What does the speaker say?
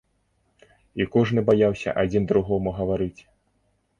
І кожны баяўся адзін другому гаварыць.